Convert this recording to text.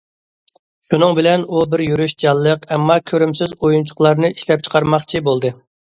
شۇنىڭ بىلەن ئۇ بىر يۈرۈش جانلىق، ئەمما كۆرۈمسىز ئويۇنچۇقلارنى ئىشلەپچىقارماقچى بولدى.